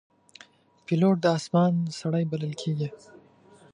پیلوټ د آسمان سړی بلل کېږي.